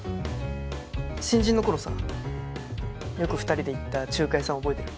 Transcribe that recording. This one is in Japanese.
新人の頃さよく２人で行った中華屋さん覚えてる？